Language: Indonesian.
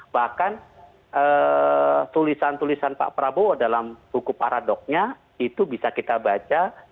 bahkan tulisan tulisan pak prabowo dalam buku paradoknya itu bisa kita baca